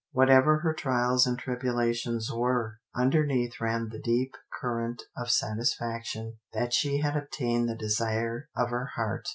Whatever her trials and tribulations were, underneath ran the deep current of satisfaction that she had obtained the desire of her heart.